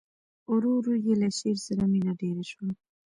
ورو ورو یې له شعر سره مینه ډېره شوه